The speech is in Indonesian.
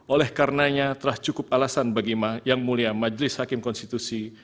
oleh karenanya telah cukup alasan bagi yang mulia majelis hakim konstitusi